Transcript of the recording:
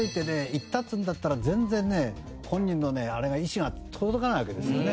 行ったっつうんだったら全然ね本人の意思が届かないわけですよね。